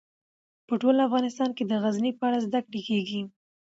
په ټول افغانستان کې د غزني په اړه زده کړه کېږي.